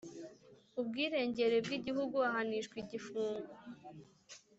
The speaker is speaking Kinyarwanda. ubwirengere bw igihugu ahanishwa igifungo